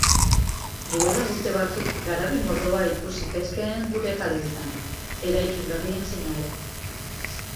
Duela urte batzuk garabi mordoa ikus zitezkeen gure kaleetan, eraikin berrien seinale.